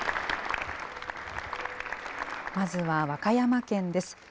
まずは和歌山県です。